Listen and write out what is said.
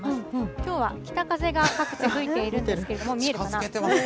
きょうは北風が各地吹いているんですけれども、見えるかな？